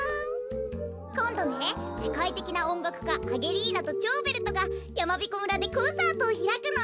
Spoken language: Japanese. こんどねせかいてきなおんがくかアゲリーナとチョーベルトがやまびこ村でコンサートをひらくの！